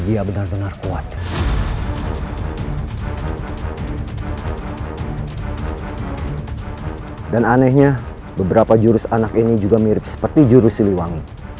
dan anehnya beberapa jurus anak ini juga mirip seperti jurus siliwangi